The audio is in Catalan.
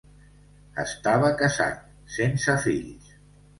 Estava casat, sense fills.